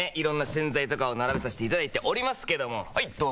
色んな洗剤とかを並べさせていただいておりますけどもはい！